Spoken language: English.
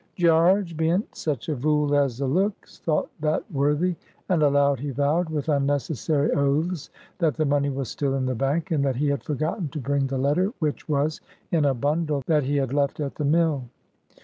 "Gearge bean't such a vool as a looks," thought that worthy, and aloud he vowed, with unnecessary oaths, that the money was still in the bank, and that he had forgotten to bring the letter, which was in a bundle that he had left at the mill.